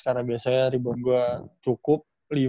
karena biasanya rebound gue cukup